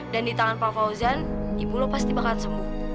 dan di tangan pak fauzan ibu lo pasti bakalan sembuh